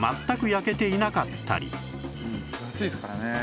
分厚いですからね。